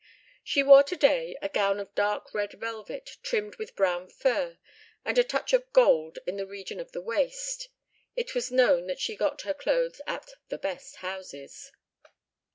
She wore today a gown of dark red velvet trimmed with brown fur and a touch of gold in the region of the waist. It was known that she got her clothes at the "best houses."